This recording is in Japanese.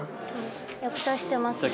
役者してますね。